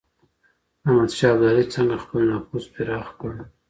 احمد شاه ابدالي څنګه خپل نفوذ پراخ کړ؟